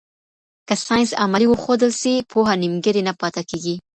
که ساینس عملي وښودل سي، پوهه نیمګړې نه پاته کېږي.